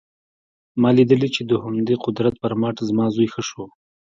ما لیدلي چې د همدې قدرت پر مټ زما زوی ښه شو